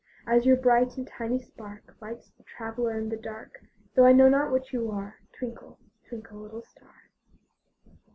As your bright and tiny spark Lights the traveler in the dark, Though I know not what you are, Twinkle, twinkle, little star.